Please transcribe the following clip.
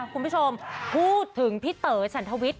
คุณผู้ชมพูดถึงพี่เต๋อฉันทวิทย